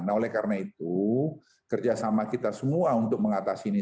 nah oleh karena itu kerjasama kita semua untuk mengatasi ini